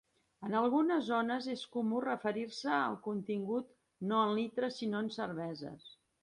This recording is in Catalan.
En algunes zones és comú referir-se al contingut no en litres sinó en cerveses.